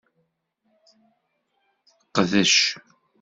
Qdec.